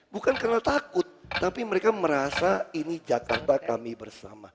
bukan karena takut tapi mereka merasa ini jakarta kami bersama